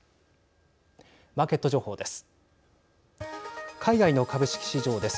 マーケット情報です。